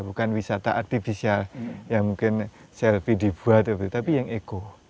bukan wisata artifisial yang mungkin selfie dibuat tapi yang ego